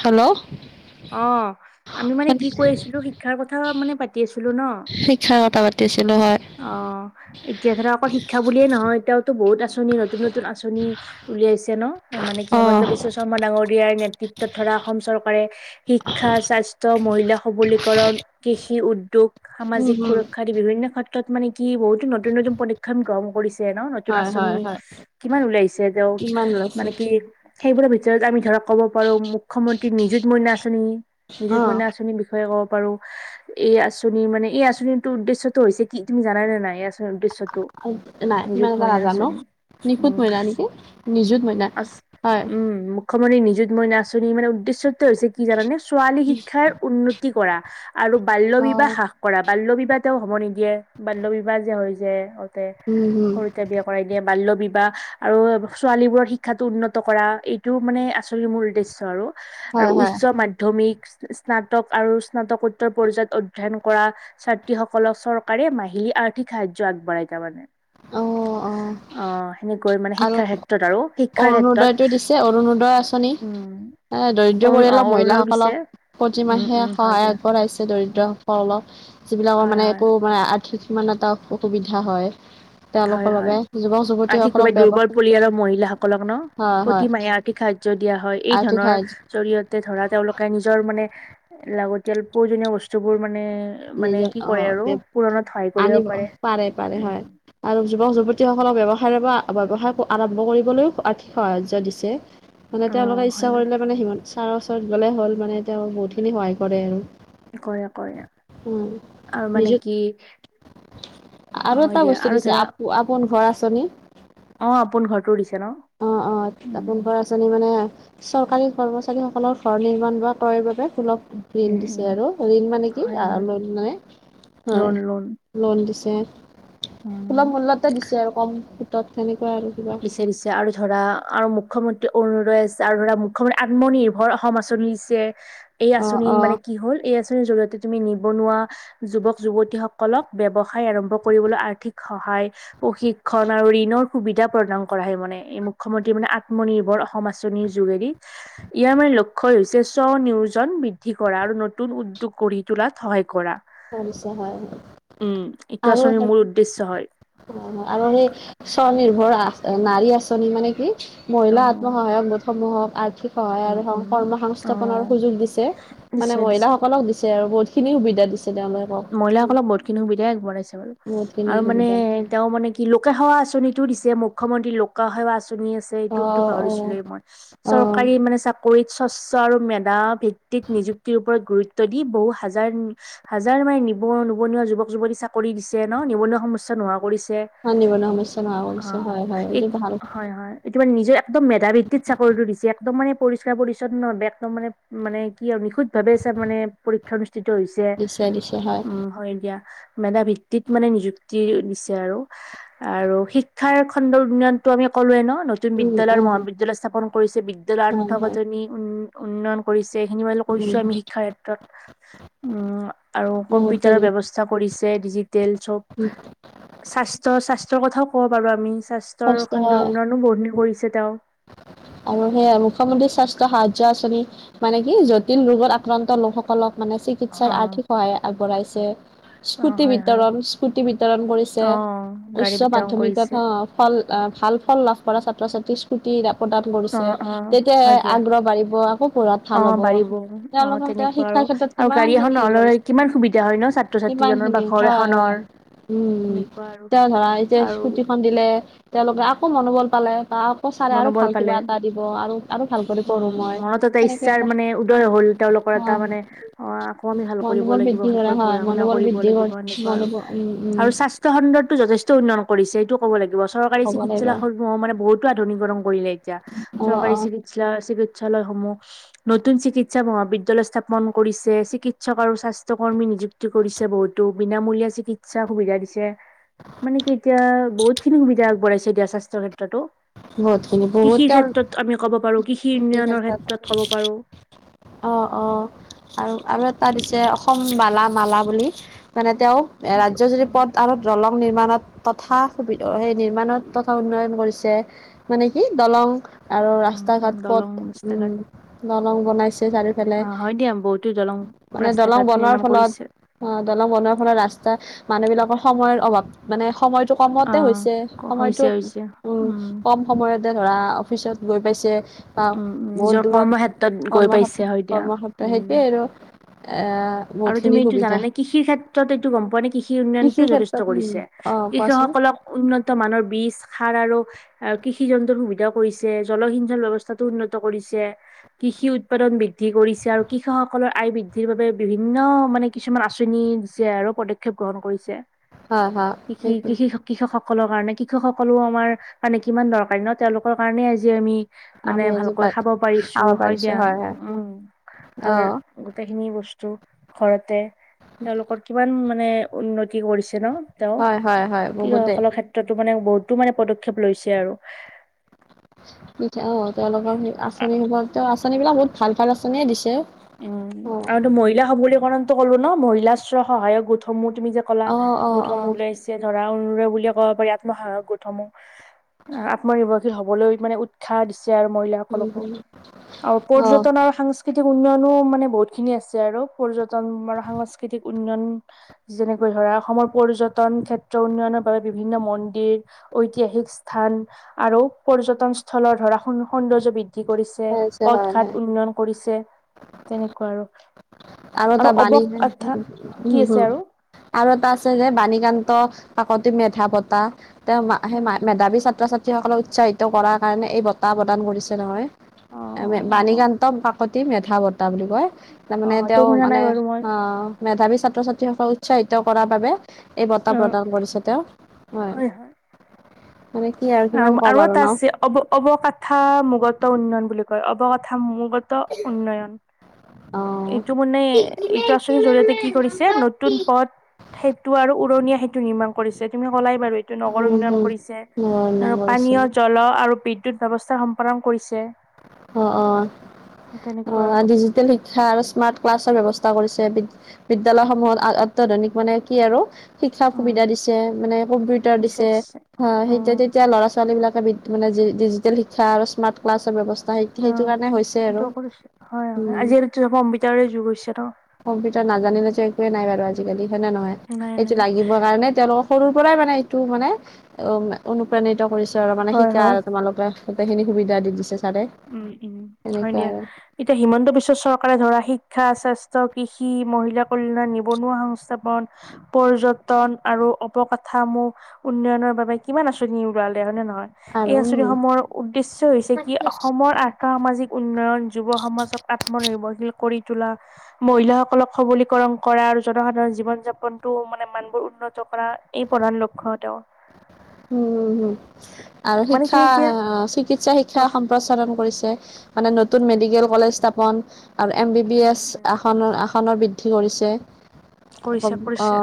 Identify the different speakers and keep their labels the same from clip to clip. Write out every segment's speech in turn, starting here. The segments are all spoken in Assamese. Speaker 1: হেল্ল'।
Speaker 2: অ' আমি মানে কি কৈ আছিলো, শিক্ষাৰ কথা মানে পাতি আছিলো ন'?
Speaker 1: হ কথা পাতি আছিলোঁ।
Speaker 2: অ' এতিয়া ধৰা অকল শিক্ষা বুলিয়ে নহয়, এতিয়াও বহুত আঁচনি, নতুন নতুন আঁচনি উলিয়াইছে। ন' মানে কি
Speaker 1: অ
Speaker 2: হিমন্ত বিশ্ব শৰ্মা ডাঙৰীয়াৰ নেতৃত্বত ধৰা অসম চৰকাৰে শিক্ষা স্বাস্থ মহিলা সবলীকৰণ, কৃষি উদ্যোগ,
Speaker 1: উম
Speaker 2: সামাজিক
Speaker 1: হম
Speaker 2: সুৰক্ষা, আদি বিভিন্ন ক্ষেত্ৰত মানে কি কি বহুতো নতুন নতুন পদক্ষেপ গ্ৰহণ কৰিছে ন'? নতুন
Speaker 1: হয় হয়
Speaker 2: আঁচনি
Speaker 1: হয়
Speaker 2: কিমান ওলাইছে যে
Speaker 1: কিমান লৈছে
Speaker 2: মানে কি, সেইবোৰৰ ভিতৰত আমি ধৰক ক'ব পাৰো, মুখ্যমন্ত্ৰী নিযুত মইনা আঁচনি।
Speaker 1: অ
Speaker 2: নিযুত মইনা আঁচনিৰ বিষয়ে কওঁক? পাৰোঁ, এই আঁচনি মানে এই আঁচনিটোৰ উদ্দেশ্যটো হৈছে কি তুমি জানা নে নাই, এই আ উদ্দেশ্যতো, নিযুত মইনা আঁচনিৰ?
Speaker 1: নিখুত মইনা নেকি, নিযুত মইনা হয়।
Speaker 2: অসমৰ এই নিযুত মইনা আঁচনি মানে উদ্দেশ্যটো হৈছে কি জানানে, ছোৱালী শিক্ষাৰ উন্নতি কৰা। আৰু বাল্য
Speaker 1: অ
Speaker 2: বিবাহ হ্ৰাস কৰা, বাল্য বিবাহ তেওঁ হ'ব নিদিয়ে, বাল্য বিবাহ যে হয় যে।
Speaker 1: উম হম
Speaker 2: সৰুতে বিয়া কৰাই দিয়ে। বাল্য বিবাহ আৰু ছোৱালীবোৰৰ শিক্ষাটো উন্নত কৰা এইটো মানে আঁচনিৰ মূল উদ্দেশ্য আৰু। আৰু
Speaker 1: হয় হয়
Speaker 2: উচ্চ মাধ্যমিক স্নাতক আৰু স্নাতকোত্তৰ পৰ্যায়ত অধ্যয়ন কৰা ছাত্ৰীসকলক চৰ কাৰে মাহিলী আৰ্থিক সাহাৰ্য্য আগবঢ়ায় তাৰ মানে, অ' সেনে
Speaker 1: আমাক অৰুণোদয়টো দিছে। অৰুণোদয় আঁচনি
Speaker 2: উম
Speaker 1: এ দৰিদ্ৰ
Speaker 2: অ
Speaker 1: পৰিয়ালৰ
Speaker 2: অৰুণাও দিছে
Speaker 1: মহিলাসকলক
Speaker 2: উম
Speaker 1: প্ৰতিমাহে
Speaker 2: উম হয়
Speaker 1: সহায়
Speaker 2: দিয়া
Speaker 1: আগবঢ়াইছে
Speaker 2: উম,
Speaker 1: দৰিদ্ৰসকলক। যিবিলাকৰ
Speaker 2: হয়
Speaker 1: মানে
Speaker 2: হয়
Speaker 1: একো মানে আৰ্থিক সিমান এটা অসুবিধা হয়। তেওঁলোকৰ বাবে, যুৱক যুৱতীসকলক ব্যৱ
Speaker 2: অৰ পৰিয়ালৰ মহিলাসকলক ন?
Speaker 1: হয় হয়
Speaker 2: প্ৰতিমাহে আৰ্থিক সাহাৰ্য্য দিয়া হয়, এই
Speaker 1: আৰ্থিক
Speaker 2: ধৰনৰনৰ
Speaker 1: সাহাৰ্য
Speaker 2: জৰিয়তে ধৰা তেওঁলোকে নিজৰ মানে লাগতিয়াল প্ৰয়োজনীয় বস্তু বোৰ মানে এ মানে
Speaker 1: নিজে
Speaker 2: কি কৰে
Speaker 1: আহ
Speaker 2: আৰু, পুৰণত সহায়
Speaker 1: আনিব
Speaker 2: কৰিব পাৰে,
Speaker 1: পাৰে হয়
Speaker 2: উম।
Speaker 1: আৰু যুৱক যুৱতীসকলক ব্যৱসায়ৰ পৰা, ব্যৱসায় আৰম্ভ কৰিবলৈওঁ আৰ্থিক সাহাৰ্য দিছে। মানে
Speaker 2: অ
Speaker 1: তেওঁলোকে
Speaker 2: হয়
Speaker 1: ইচ্ছা কৰিলে মানে হিমন্ত ছাৰ ওচৰত গ'লে হ'ল মানে, তেওঁ বহুতখিনি সহায় কৰে।
Speaker 2: কৰে কৰে, আৰু মানে
Speaker 1: নিজত
Speaker 2: কি
Speaker 1: আৰু
Speaker 2: হয়
Speaker 1: এটা
Speaker 2: দিয়া
Speaker 1: বস্তু
Speaker 2: আৰু
Speaker 1: দিছে,
Speaker 2: ধৰা
Speaker 1: আপ-আপোন ঘৰ আঁচনি।
Speaker 2: অ', আপোন ঘৰটো দিছ
Speaker 1: অ' অ', আপোন ঘৰ আঁচনি মানে চৰকাৰী কৰ্মচাৰীসকলৰ ঘৰ নিৰ্মাণ বা ক্ৰয়ৰ বাবে সুলভ ঋণ
Speaker 2: উম উম
Speaker 1: দিছে আৰু, ঋণ মানে কি
Speaker 2: হয়
Speaker 1: অ'
Speaker 2: হয়
Speaker 1: লোন মানে, হয়,
Speaker 2: লোন লোন
Speaker 1: লোন দিছে। হে,
Speaker 2: উম
Speaker 1: সুলভ মূল্যতে দিছে আৰু কম সুতত তেনেকুৱাই আৰু কিবা।
Speaker 2: দিছে দিছে আৰু ধৰা আৰু মুখ্যমন্ত্ৰী অৰুণোদয় আছে। আৰু ধৰা মুখ্যমন্ত্ৰী আত্মনিৰ্ভৰ অসম আঁচনি আছে। এই
Speaker 1: অ',
Speaker 2: আঁচনি মানে
Speaker 1: অ',
Speaker 2: কি হ'ল, এই আঁচনি নিৰ জৰিয়তে তুমি নিবনুৱা যুৱক যুৱতীসকলক ব্যৱসায় আৰম্ভ কৰিবলৈ আৰ্থিক সহায় হায় প্ৰশিক্ষণ আৰু ঋণৰ সুবিধা প্ৰদান কৰা হয় মানে, এই মুখ্যমন্ত্ৰী মানে আত্মনিৰ্ভৰ অসম আঁচনিৰ যোগেদি। ইয়াৰ মানে লক্ষ্য হৈছে স্বনিয়োজন বৃদ্ধি কৰা, আৰু নতুন উদ্যোগ গঢ়ি তোলাত সহায় কৰা।
Speaker 1: কৰিছে হয়
Speaker 2: উম এইটো আঁচনিৰ মূল উদ্দেশ্য হয়।
Speaker 1: অ' আৰু সেই স্বনিৰ্ভৰ নাৰী আচনি মানে কি
Speaker 2: অ
Speaker 1: মহিলা আত্মসহায়ক গোটসমূহক আৰ্থিক সহায়
Speaker 2: উম
Speaker 1: আৰু
Speaker 2: উম
Speaker 1: কৰ্ম
Speaker 2: অ
Speaker 1: সংস্থাপনৰ সুযোগ দিছে। মানে
Speaker 2: নিশ্চয় নিশ্চয়
Speaker 1: মহিলাাসকলক দিছে আৰু বহুত খিনি সুবিধা দিছে। তেওঁলোকক
Speaker 2: মহিলাসকলক বহুতখিনি সুবিধাই আগবঢ়াইছে বাৰু,
Speaker 1: বহুতখিনি
Speaker 2: আৰু মানে
Speaker 1: সুবিধা
Speaker 2: তেওঁ মানে কি লোক লোকসেৱা আঁচনিটো দিছে। মুখ্যমন্ত্ৰী লোকসেৱা আঁচনি চনি আছে এইটোকতো
Speaker 1: অ',
Speaker 2: পাহৰিছিলো
Speaker 1: অ',
Speaker 2: মই। চৰকাৰী
Speaker 1: অ',
Speaker 2: মানে চাকৰিত স্বচ্ছ আৰু মেধা ভিত্তিক নিযুক্তিৰ ওপৰত গুৰুত্ব দি বহু হাজাৰ যাৰ মানে নি নিবনুৱা যুৱক যুৱতী চাকৰি দিছে ন, নিবনুৱা সমস্যা নোহোৱা কৰিছে যে
Speaker 1: নিবনুৱা সমস্যা নোহোৱা কৰিছে
Speaker 2: অ'
Speaker 1: হয়, হয় এইটো
Speaker 2: এত
Speaker 1: ভাল
Speaker 2: হয় হয় এত নিজৰ একদম মেধা ভিত্তিত চাকৰিটো দিছে। একদম মানে পৰিষ্কাৰ পৰিচ্ছন্ন একদম মানে মানে কি আৰু নিখুত ভাৱে চব মানে পৰীক্ষা অনুষ্ঠিত হৈছে,
Speaker 1: দিছে দিছে
Speaker 2: উম হয় দিয়া। মেধা ভিত্তিত মানে নিযুক্তি দিছে আৰু, আৰু শিক্ষাৰ খণ্ডৰ উন্নয়নতটো আমি ক'লোৱে ন। নতুন
Speaker 1: উম,
Speaker 2: বিদ্যয়ালয়
Speaker 1: অ',
Speaker 2: মহাবিদ্যালয় স্থাপন কৰিছে, বিদ্যালয়
Speaker 1: হয়, হয়
Speaker 2: আন্ন্তঃগথনি উ উন্নয়ন কৰিছে খিনি ম
Speaker 1: উম,
Speaker 2: কৈছো আমি শিক্ষাৰ ক্ষেত্ৰত উম আৰু কম্পিউটাৰৰ
Speaker 1: বহুতখিনি
Speaker 2: ব্যৱস্থা কৰিছে য়ে ডিজিটেল চব, স্বাস্থ্য স্বাস্থ্যৰ কথাওঁ ক'ব পাৰো আমি। স্বাস্থ্যৰ
Speaker 1: কষ্ট হয়
Speaker 2: খণ্ডৰ উন্নয়নো বহুখিনি কৰিছে তেওঁ।
Speaker 1: আৰু সেই মুখ্যমন্ত্ৰী স্বাস্থ্য সাহায্য আঁচনি মানে কি জটিল ৰোগত আক্ৰান্ত লোকসকলক মানে
Speaker 2: অ
Speaker 1: চিকিৎসাৰ আৰ্থিক সহায় আগবঢ়াইছে
Speaker 2: অ
Speaker 1: স্কুটি
Speaker 2: হয় হয়
Speaker 1: বিতৰণ, স্কুটি বিতৰণ কৰিছে।
Speaker 2: অ গাড়ী
Speaker 1: উচ্চ
Speaker 2: বিতৰণ কৰিছে
Speaker 1: মাধ্যমিকত অ' ফল ভাল ফল লাভ কৰা ছাত্ৰ ছাত্ৰী স্কুটি, ৰা প্ৰদান
Speaker 2: অ
Speaker 1: কৰিছে,
Speaker 2: অ
Speaker 1: তেতিয়াহে
Speaker 2: হয় দিয়া
Speaker 1: আগ্ৰহ বাঢ়িব, আকৌ পঢ়াত
Speaker 2: অ
Speaker 1: ভাল হ'ব।
Speaker 2: বাঢ়িব অ
Speaker 1: তেওঁলোকৰ
Speaker 2: তেনেকুৱা
Speaker 1: শিক্ষা
Speaker 2: আৰু আৰু
Speaker 1: কিমান
Speaker 2: গাড়ী এখন
Speaker 1: খিনি হেৰি
Speaker 2: নহলে
Speaker 1: কৰিছে
Speaker 2: কিমান সুবিধা হয় ন ছাত্ৰ
Speaker 1: কিমান
Speaker 2: ছাত্ৰীজনৰ বা
Speaker 1: খিনি
Speaker 2: ঘৰ
Speaker 1: হয়,
Speaker 2: এখনৰ
Speaker 1: হয়, উম, উম,
Speaker 2: এনেকুৱা আৰু
Speaker 1: এতিয়া ধৰা এতিয়া
Speaker 2: আৰু
Speaker 1: স্কুতিখন দিলে তেওঁলোকে আকৌ মনোবল পালে বা আকৌ চাৰে আৰু
Speaker 2: মনোবল
Speaker 1: ভাল কিবা
Speaker 2: পালে
Speaker 1: এটা দিব আৰু ভাল কৰি পঢ়ো
Speaker 2: উম,
Speaker 1: মই।
Speaker 2: মনত এটা
Speaker 1: সেনেকে
Speaker 2: ইচ্ছাৰ মানে উদয় হ'ল তেওঁলোকৰ এটা
Speaker 1: অ',
Speaker 2: মানে অ', আকৌ আমি ভাল কৰিব
Speaker 1: মনোবল
Speaker 2: লাগিব
Speaker 1: বৃদ্ধি কৰা
Speaker 2: ভালকৈ
Speaker 1: হয়
Speaker 2: পঢ়া শুনা
Speaker 1: মনোবল
Speaker 2: কৰিব
Speaker 1: বৃদ্ধি
Speaker 2: লাগিব
Speaker 1: কৰি
Speaker 2: এনেকুৱা আৰু
Speaker 1: মনোবল উম, উম।
Speaker 2: আৰু স্বাস্থ্য খণ্ডতো যথেষ্ট উন্নয়ন কৰিছে এইটো ক'ব লাগিব চৰকাৰী
Speaker 1: হ'ব লাগিব
Speaker 2: চিকিৎসালয়সমূহ মানে বহুতো আধুনিককৰণ কৰিলে এতিয়া
Speaker 1: অ',
Speaker 2: চৰকাৰী
Speaker 1: অ',
Speaker 2: চিকৎ চিকিৎসালয়সমূহ নতুন চিকিৎসা মহাবিদ্যালয় স্থাপন কৰিছে চিকিৎসক আৰু স্বাস্থ্য কৰ্মী নিযো কৰিছে বহুতো বিনামূলীয়া চিকিৎসাৰ সুবিধা দিছে। মানে কি এতিয়া বহুত খিনি সুবিধা আগবঢ়াইছে দিয়া স্বাস্থ্যৰ ক্ষেত্ৰতো। কৃষিৰ ক্ষেত্ৰত আমি ক'ব পাৰো কৃষি
Speaker 1: কৃষিৰ
Speaker 2: উন্নয়নৰ ক'ব পাৰো
Speaker 1: ক্ষেত্ৰত অ', অ', আৰু আৰু এটা দিছে অসম বালা মালা বুলি মানে তেওঁ ৰাজ্য যুদি
Speaker 2: উম
Speaker 1: পথ আৰু জ্বল নিৰ্মাণত তথা সুবিধা সেই নিৰ্মণত তথা উন্নয়ন কৰিছে মানে কি দলং আৰু
Speaker 2: উম
Speaker 1: ৰাস্তা
Speaker 2: উম
Speaker 1: ঘাট পথ
Speaker 2: দলং ৰাস্তা
Speaker 1: উম,
Speaker 2: ঘাট
Speaker 1: দলং বনাইছে চাৰিওফালে।
Speaker 2: অ হয় দিয়া বহুতো দলং
Speaker 1: মানে
Speaker 2: ৰাস্তা
Speaker 1: দলং
Speaker 2: ঘাট
Speaker 1: বনোৱাৰ
Speaker 2: নিৰ্মাণ
Speaker 1: ফলত
Speaker 2: কৰিছে
Speaker 1: অ, দলং বনোৱাৰ ফলত ৰাস্তাত মানুহ বিলাক সময়ৰ অভাৱ মানে সময়টো
Speaker 2: অ
Speaker 1: কমতে হৈছে সময়টো
Speaker 2: হৈছে হৈছে
Speaker 1: উম, কম সময়ত এ ধৰা অফিচত গৈ পাইছে বা
Speaker 2: উম উম
Speaker 1: বহুত
Speaker 2: নিজৰ
Speaker 1: দূৰত
Speaker 2: কৰ্মক্ষেত্ৰত গৈ
Speaker 1: কৰ্ম্ৰ
Speaker 2: পাইছে হয় দিয়া
Speaker 1: কৰ্ম্ৰ
Speaker 2: উম
Speaker 1: সেইটোৱে আৰু। এ
Speaker 2: আৰু
Speaker 1: বহুতখিনি
Speaker 2: তুমি এইটো
Speaker 1: সুবিধা।
Speaker 2: জানানে কৃষিৰ ক্ষেত্ৰত এইটো গম পোৱা নে কৃষি কৃষি উন্নয়নতটো যথেষ্ট
Speaker 1: ক্ষেত্ৰত উম।
Speaker 2: কৰিছে,
Speaker 1: অ' কোৱাচোন
Speaker 2: কৃষকসকলক উন্নত মানৰ বিশ সাৰ আৰু আ, কৃষি জন্তৰ সুবিধাও কৰিছে জলসিঞ্চন ব্যৱস্থাতো উন্নত কৰিছে যে কৃষি উৎপাদন বৃদ্ধি কৰিছে আৰু কৃষকসকলৰ আয় বৃদ্ধিৰ বাবে বিভিন্ন মানে কিছুমান আঁচনি দিছে আৰু পদক্ষেপ গ্ৰহণ কৰিছে।
Speaker 1: হয় হয়
Speaker 2: কৃষি -
Speaker 1: সেইটো
Speaker 2: কৃষি - কৃষক সকলৰ কাৰণে কৃষক সকলো আমাৰ মানে কিমান দৰকাৰী ন' তেওঁলোকৰ কাৰণে আজি আমি মানে
Speaker 1: আমি আজি
Speaker 2: ভালকৈ
Speaker 1: পা
Speaker 2: খাব পাৰিছো
Speaker 1: খাব
Speaker 2: হয়,
Speaker 1: পাৰিছো
Speaker 2: দিয়া
Speaker 1: হয়।
Speaker 2: উম, ভাল
Speaker 1: অ'
Speaker 2: গোটেইখিনি বস্তু ঘৰতে তেওঁলোকৰ কিমান মানে উন্নতি কৰিছে ন? তেওঁ
Speaker 1: হয় হয় হয় বহুতে
Speaker 2: কৃষসকলৰ ক্ষেত্ৰতো মানে বহুতো মানে পদক্ষেপ লৈছে আৰু।
Speaker 1: পিঠা অ', তেওঁলোকৰ আঁচনি
Speaker 2: উম
Speaker 1: সোপা, তেওঁ আঁচনি বিলাক বহুত ভাল ভাল আচনিয়ে দিছে।
Speaker 2: উম,
Speaker 1: অ'
Speaker 2: আৰুটো মহিলা সবলীকৰণটো কলো ন' মহিলা স্ব সহায়ক গোটসমূহ তুমি যে ক'লা
Speaker 1: অ' অ'
Speaker 2: গোটসমূহ
Speaker 1: অ'
Speaker 2: উলাইছে ধৰা অনুৰ বুলিয়ে ক'ব পাৰি আত্মসহায়ক গোটসমূহ। আত্মনিৰ্ভৰশীল হবলৈ মানে উৎসাহ দিছে।
Speaker 1: উম
Speaker 2: মহিলাসকলকো
Speaker 1: হম
Speaker 2: আৰু
Speaker 1: অ'
Speaker 2: পৰ্যটন আৰু সাংস্কৃতিক উন্নয়নো মানে বহুত খিনি আছে আৰু পৰ্যটন সাংস্কৃতিক উন্নয়ন যেনেকৈ ধৰ অসমৰ পৰ্যটন ক্ষেত্ৰ উন্নয়নৰ বাবে বিভিন্ন মন্দিৰ ঐতিহাসিক স্থান আৰু পৰ্যটন স্থলৰ ধৰা স সৌন্দৰ্য বিদ্য কি কৰিছে,
Speaker 1: হয় আছে
Speaker 2: পদ
Speaker 1: হয়
Speaker 2: ঘাট
Speaker 1: হয়।
Speaker 2: উন্নয়ন কৰিছে তেনেকুৱা আৰু।
Speaker 1: আৰু এটা বানী
Speaker 2: অৱক আথা কি আছে আৰু
Speaker 1: [unintelligible] আৰু এটা আছে যে বাণীকান্ত কাকতি মেধা বঁটা, তেওঁ
Speaker 2: অ
Speaker 1: সেই মেধাৱী ছাত্ৰ ছাত সকলক উৎসাহিত কৰাৰ কাৰণে এই বঁটা প্ৰদান কৰিছে নহয়।
Speaker 2: অ অ
Speaker 1: বাণীকান্তম কাকতি মেধা বটা বুলি কয়। তাৰ
Speaker 2: অ
Speaker 1: মানে
Speaker 2: এইটো
Speaker 1: তেওঁ
Speaker 2: শুনা নাই
Speaker 1: মানে
Speaker 2: বাৰু মই
Speaker 1: অ, মেধাৱী ছাত্ৰ ছাত্ৰীসকল উৎসাহিত ত' কৰাৰ বাবে এই বঁটা
Speaker 2: অ
Speaker 1: প্ৰদান কৰিছে তেওঁ হয়, মানে কি কিমান
Speaker 2: আৰু
Speaker 1: কম
Speaker 2: আৰু এটা
Speaker 1: ন
Speaker 2: আছে অৱ অৱকাথা মগত উন্নয়ন বুলি কয়, অৱকাথা মগত গত উন্নয়ন।
Speaker 1: অ
Speaker 2: এইটো মানে এইটো আচনিৰ জৰিয়তে কি কৰিছে নতুন পথ সেইটো আৰু উৰণীয়া সেইটো নিৰ্মাণ কৰিছে, তুমি ক'লাই বাৰু এইটো নগৰ
Speaker 1: উম,
Speaker 2: উন্য়ন কৰিছে।
Speaker 1: উম,
Speaker 2: আৰু পানীয়
Speaker 1: কৰিছিল
Speaker 2: জ্বল আৰু বিদ্যুৎ ব্যৱস্থা সম্পাদন কৰিছে।
Speaker 1: অ', অ',
Speaker 2: তেনেকুৱা আৰু
Speaker 1: অ', ডিজিটেল শিক্ষা আৰু স্মাৰ্ট ক্লাছৰ ব্যৱস্থা। কৰিছে, বিদ্যালৰ সমূহত অত্যাধুনিক মানে কি আৰু শিক্ষা
Speaker 2: উম
Speaker 1: সুবিধা দিছে, মানে কম্পিউটাৰ দিছে, সেইয়া,
Speaker 2: উম
Speaker 1: তেতিয়া ল'ৰা, ছোৱালী বিলাক মানে ডিজিটেল শিক্ষ আৰু স্মাৰট ক্লাছৰ ব্যৱস্থা সেই সেইটো কাৰণে হৈছে আৰু
Speaker 2: অটো অ, হয়, হয় আজিকালিতো চ, কম্পিউটাৰে যুগ হৈছে ন।
Speaker 1: কম্পিটাৰ নাজানিলে, যে, একোৱে নাই বাৰু আজি আজিকালি সেনে, নহয়
Speaker 2: নাই নাই
Speaker 1: সটো লাগিবৰ কাৰণে, তেওঁলোকক সৰুৰ পৰাই মানে টো, মানে উ, অনুপ্ৰাণিত কৰিছে আৰু মানে
Speaker 2: হয়
Speaker 1: শিকা
Speaker 2: হয়
Speaker 1: আৰু তোমালোকে গোটেইখিনি সুবিধা দি, দিছে। ছাৰে
Speaker 2: উম, উম, হয়
Speaker 1: এনেকুৱা
Speaker 2: দিয়া।
Speaker 1: আৰু
Speaker 2: এতিয়া হিমন্ত বিশ্ব চৰকাৰে ধৰা শিক্ষা, স্বাস্থ্য, কৃষি মহিলা কল্যাণ, নিবনুৱা সংস্থাপন, পৰ্যটন আৰু অৱকাথামূহ উন্নয়নৰ বাবে কিমান আঁচনি ওলালে হয়নে, নহয়। এই
Speaker 1: আৰু
Speaker 2: আঁচনি সমূহৰ উদ্দেশ্যয় হৈছে কি, অসমৰ আৰ্থ সামাজিক উন্নয়ন যুৱ সমাজক আত্মনিৰ্ভৰশীল কৰি তোলা। মহিলাাসকলক সবলীকৰণ কৰা। আৰু জনসাধাৰণ জীৱন, যাপনতটো মানে মানবোৰ উন্নত কৰা। এই প্ৰধান লক্ষ্ তেওঁৰ।
Speaker 1: উম, উ, উম আৰু
Speaker 2: মানে কি
Speaker 1: শিক্ষা
Speaker 2: এতিয়া
Speaker 1: চিকিৎসা, শিক্ষা সম্প্ৰচাৰণ কৰিছে। ন ম ক বি বি [unintelligible] সানৰ বৃদ্ধি কৰিছে।
Speaker 2: কৰিছে কৰিছে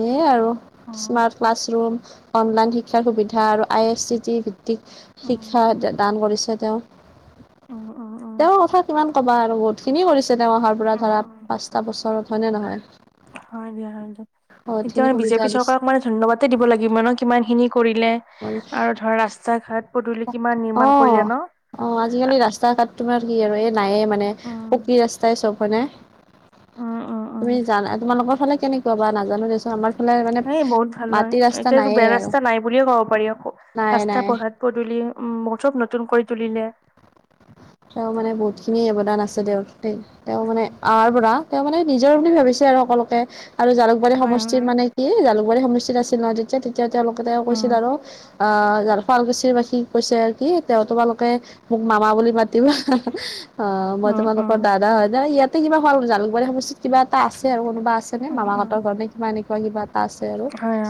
Speaker 1: এ, আৰু
Speaker 2: উম।
Speaker 1: স্মাৰ্ট ক্লাছৰুম, অনলাইন শিক্ষাৰ সুবিধা আৰু আই এছ চি টি
Speaker 2: উম
Speaker 1: শিক্ষা দান কৰিছে, তেওঁ।
Speaker 2: উম উম উম
Speaker 1: তেওঁৰ কথা কিমান কবা আৰু বহুত খিনি কৰিছে, তেওঁ অহাৰ পৰা
Speaker 2: উম
Speaker 1: ধৰা
Speaker 2: উম,
Speaker 1: পাঁচটা বছৰত। হয়নে, নহয়।
Speaker 2: হয়, দিয়া হয়, দিয়া
Speaker 1: বহুত
Speaker 2: এতিয়া
Speaker 1: খিনি
Speaker 2: মানে
Speaker 1: সুবিধা
Speaker 2: বিজেপি
Speaker 1: দিছে
Speaker 2: চৰকাৰক মানে ধন্যবাদ দিব লাগিব ন, কিমান খিনি। কৰিলে, আৰু ধৰা, ৰাস্তা, ঘাট পদূলি কিমান নিৰ্মাণ কৰিলে
Speaker 1: অ',
Speaker 2: ন
Speaker 1: অ', আজিকালি ৰাস্তা, ঘাট তোমাৰ কি আৰু এই নায়ে মানে
Speaker 2: উম
Speaker 1: পকি ৰাস্তাই চব মনে
Speaker 2: উম উম উম
Speaker 1: তুমি জানা তোমালোকৰ ফালে কেনেকুৱা বা নাজানো দেচোন আমাৰ ফালে মানে
Speaker 2: এ, বহুত ভাল হয়।
Speaker 1: মাটি ৰাস্তা
Speaker 2: এতিয়ো
Speaker 1: নাইয়ে
Speaker 2: বেয়া
Speaker 1: আৰু
Speaker 2: ৰাস্তা নাই বুলিয়ে ক'ব পাৰি আকৌ
Speaker 1: নাই
Speaker 2: ৰাস্তা,
Speaker 1: নাই
Speaker 2: পাত, পদূলি উম, মুঠত চব নতুন কৰি তুলিলে।
Speaker 1: দে, তেওঁ মানে আহাৰ পৰা তেওঁ মানে নিজৰ বুলি ভাবিছে আৰু সকলোকে। আৰু জালুকবাৰী
Speaker 2: হয়
Speaker 1: সমষ্টিত
Speaker 2: হয়
Speaker 1: মানে কি জালুকবাৰী সমষ্টিত আছিল ন, তেতিয়া, তেতিয়া, তেওঁলোকে তেওঁ কৈছিল
Speaker 2: উম
Speaker 1: আৰু। অ, শুৱালকুছিৰ বাসীক কৈছে আৰু কি তেওঁ তোমালোকে মোক মামা বুলি মা টো, অ, মই
Speaker 2: উম উম
Speaker 1: তোমালোকৰ দাদা হয়, ন, ইয়াত এ, কিবা খোৱা জালুকবাৰী সমষ্টিত কিবা এটা আছে আৰু কোনোছে
Speaker 2: উম
Speaker 1: মামাহ
Speaker 2: উম
Speaker 1: ঘতৰেবা এনেকুৱা কিবা এটা আছে আৰু
Speaker 2: হয়,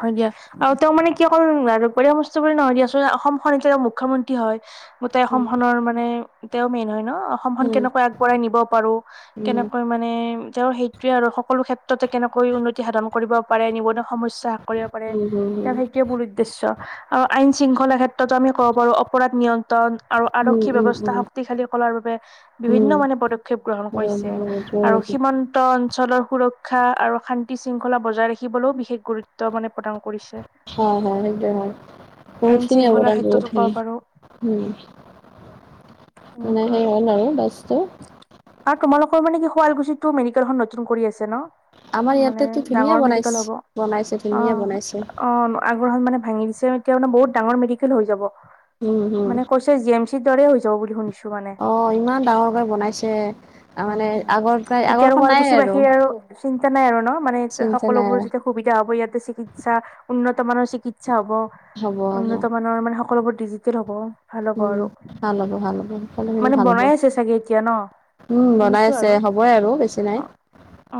Speaker 2: হয় দিয়া। আৰু তেওঁ মানে কি অকল আৰু পৰি সমস্তু বুলি নহয় দিয়াচোন অসমখন এতিয়া তেওঁ মুখ্যমন্ত্ৰী হয়। গোটেই অসম
Speaker 1: উম
Speaker 2: খনৰ মানে তেও মেইন হয়, ন। অসমখনন কেনেকৈ আগবঢ়াই নিব পাৰো,
Speaker 1: উম
Speaker 2: কেনেকৈ মানে সেইটয়ে আৰু সকলো ক্ষেত্ৰতে কেনেকৈ উন্নতি সাধন কৰিব পাৰে, নিবন সমস্যা হাস কৰিব পাৰে,
Speaker 1: উম,
Speaker 2: তেওঁক সেইটোৱে মূল উদ্দেশ্য। আৰু আইন শৃংখলা ক্ষেত্ৰতো আমি ক'ব পাৰোঁ অপৰাধ নিয়ম ন, আৰু
Speaker 1: উম,
Speaker 2: আৰক্ষী
Speaker 1: উম,
Speaker 2: ব্যৱস্থা
Speaker 1: উম,
Speaker 2: শক্তিশালী কৰাৰ বাবে বিভিন্ন
Speaker 1: উম,
Speaker 2: মানে পদক্ষেপ গ্ৰহণ
Speaker 1: হয়,
Speaker 2: কৰিছে।
Speaker 1: হয়,
Speaker 2: আৰু
Speaker 1: হয়,
Speaker 2: সিমন্ত অঞ্চলৰ সুৰক্ষা আৰু শান্তি, শৃংখলা বজাই ৰাখিবলৈও বিশেষ গুৰুত্ব মানে প্ৰদান কৰিছে
Speaker 1: হ, হা, সেইদ হয়।
Speaker 2: আইন
Speaker 1: পছিন
Speaker 2: শৃংখলাৰ ক্ষেত্ৰতো
Speaker 1: অবঠিন
Speaker 2: ক'ব পাৰো
Speaker 1: উম। মানে সেই হ'ল আৰু বছটো।
Speaker 2: ত, মানে কি শুৱালকুছি টো মেডিকেলখন নতুন আছে ন।
Speaker 1: আমাৰ
Speaker 2: মানে
Speaker 1: ইয়াতেতো ধুনীয়া
Speaker 2: ডাঙৰ
Speaker 1: বনাইছ
Speaker 2: মেডিকেল হ'ব
Speaker 1: বনাইছে ধুনীয়া
Speaker 2: অ',
Speaker 1: বনাইছে,
Speaker 2: অ', আগ্ৰহ মানে ভা, বতাৰ ম, হৈ য,
Speaker 1: উম, উম,
Speaker 2: মানৈ
Speaker 1: অ, ইমান ডাঙৰকৈ বনাইছে ত, মানে আ।
Speaker 2: এতিয়া আৰু শুৱালকুছি বাসীৰ আৰু চিন্তা নাই আৰু ন'? মানে
Speaker 1: চিন্তা নাই
Speaker 2: সকলোবোৰ যেতিয়া সুবিধা হ'ব ইয়াতে চিকিৎ সা, উন্নত মানৰ চিকিৎসা হ'ব,
Speaker 1: হ'ব, হ'ব,
Speaker 2: উন্নত মানৰ, মানে সকলোবোৰ ডিজিটেল হ'ব। ভাল হ'ব
Speaker 1: উম।
Speaker 2: আৰু,
Speaker 1: ভাল হ'ব, ভাল হ'ব, সকলোখিনি
Speaker 2: মানে
Speaker 1: ভাল হ'ব,
Speaker 2: বনাই আছে চাগে এতিয়া ন?
Speaker 1: উম বনাই
Speaker 2: শুনিছো
Speaker 1: আছে
Speaker 2: আৰু
Speaker 1: হ'বই আৰু বেছি
Speaker 2: অ
Speaker 1: নাই।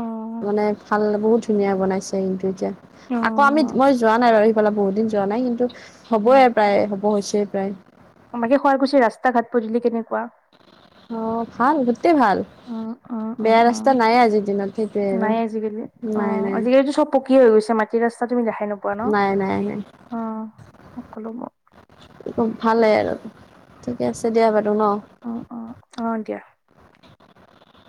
Speaker 2: অ
Speaker 1: মানে ভাল বহুত ধুনীয়া বনাইছে কিন্তু এতিয়া,
Speaker 2: অ
Speaker 1: আকৌ আমি মই যোৱা নাই ৰ সিফালে বহুত দিন যোৱা নাই কিন্তু হবয়ে প্ৰায়, হ'ব হৈছেই প্ৰায়
Speaker 2: [unintelligible] শুৱালকুছি ৰাস্তা ঘাট পধুলি কেনেকুৱা?
Speaker 1: অ, ভাল, গোটেই ভাল।
Speaker 2: উম উম উম
Speaker 1: বেয়া
Speaker 2: উম
Speaker 1: ৰাস্তা নায়ে আজি দিনত, সেইটোৱে আৰু, নাই, নাই।
Speaker 2: কীয়ে হৈ গৈছে, মাটিৰ ৰাস্তা তুমি দেখাই নোপোৱা ন'?
Speaker 1: নাই নাই নাই
Speaker 2: অ সকলো বোৰ।
Speaker 1: কি কম, ভাল লাগে আৰু, ঠিকে আছে দিয়া ব
Speaker 2: অ-অ, অ, দিয়া।